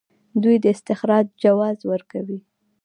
دوی د استخراج جواز ورکوي.